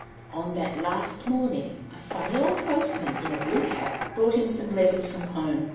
On that last morning a funny old postman in a blue cap brought him some letters from home.